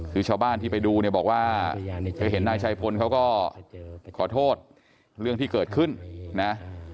คือชาวบ้านที่ไปดูเนี่ยบอกว่าเธอเห็นนายชัยพลเขาก็ขอโทษเรื่องที่เกิดขึ้นนะ